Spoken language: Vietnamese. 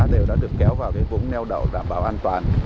đều đã được kéo vào cái vũng neo đầu đảm bảo an toàn